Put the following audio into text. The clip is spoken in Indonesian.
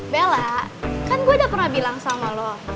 bella kan gue udah pernah bilang sama lo